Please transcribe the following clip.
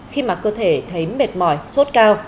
khi mà cơ thể thấy mệt mỏi sốt cao